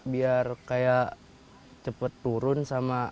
biar kayak cepet turun sama